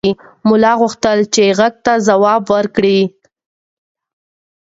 ملا غوښتل چې غږ ته ځواب ورکړي.